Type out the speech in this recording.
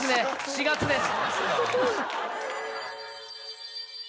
４月です。